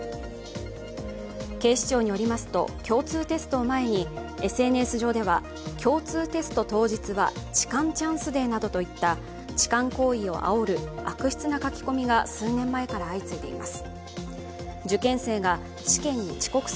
警視庁によりますと共通テストを前にＳＮＳ上では、共通テスト当日は痴漢チャンスデーなどといった痴漢行為をあおる悪質な書き込みが数年前から相次いでいます。